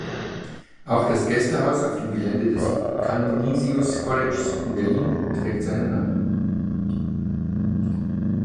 Auch das Gästehaus auf dem Gelände des Canisius-Kollegs in Berlin trägt seinen Namen.